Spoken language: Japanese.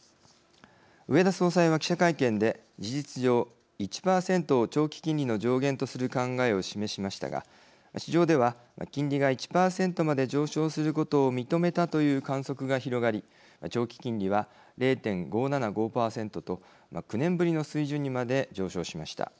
植田総裁は、記者会見で事実上１％を長期金利の上限とする考えを示しましたが市場では金利が１％まで上昇することを認めたという観測が広がり長期金利は０．５７５％と９年ぶりの水準にまで上昇しました。